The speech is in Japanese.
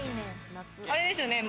あれですよね？